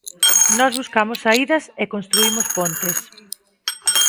Nós buscamos saídas e construímos pontes.